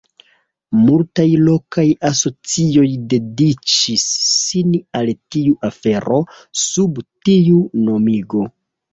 Multaj lokaj asocioj dediĉis sin al tiu afero sub tiu nomigo.